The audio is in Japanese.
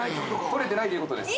撮れてないということです。